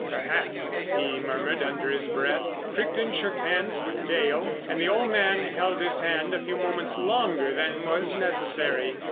"Perhaps," he murmured under his breath. Crichton shook hands with Dale, and the old man held his hand a few moments longer than was necessary.